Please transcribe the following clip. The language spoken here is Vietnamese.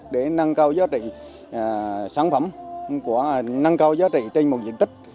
để nâng cao giá trị sản phẩm nâng cao giá trị trên một diện tích